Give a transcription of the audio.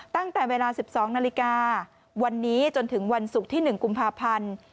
ตั้งแต่เวลา๑๒นาฬิกาวันนี้จนถึงวันศุกร์ที่๑กุมภาพันธ์